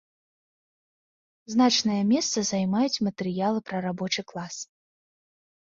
Значнае месца займаюць матэрыялы пра рабочы клас.